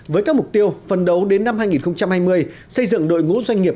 với các mục tiêu phân đấu đến năm hai nghìn hai mươi xây dựng đội ngũ doanh nghiệp